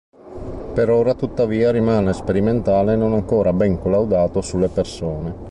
Per ora, tuttavia, rimane sperimentale, non ancora ben collaudato sulle persone.